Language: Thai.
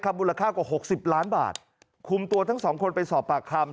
คำมูลค่ากว่า๖๐ล้านบาทคุมตัวทั้ง๒คนไปสอบปากคำ